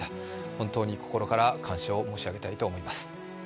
本当に心から感謝したいと思います。